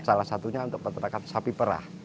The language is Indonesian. salah satunya untuk peternakan sapi perah